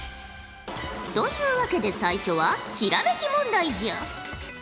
というわけで最初はひらめき問題じゃ。